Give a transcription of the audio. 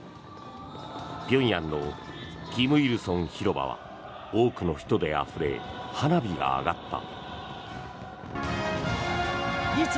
平壌の金日成広場は多くの人であふれ花火が上がった。